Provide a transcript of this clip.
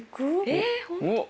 えっ本当！？